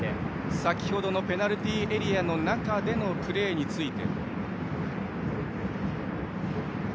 先ほどのペナルティーエリア内でのプレーについて。